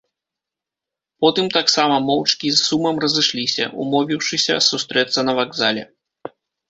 Потым таксама моўчкі з сумам разышліся, умовіўшыся сустрэцца на вакзале.